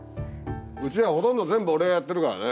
うちらはほとんど全部俺がやってるからね。